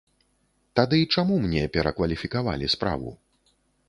Тады чаму мне перакваліфікавалі справу?